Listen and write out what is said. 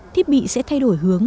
thiết bị sẽ thay đổi hướng